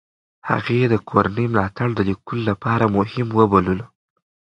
هغې د کورنۍ ملاتړ د لیکلو لپاره مهم وبللو.